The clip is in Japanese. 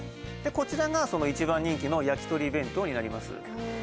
こちらが一番人気のやきとり弁当になります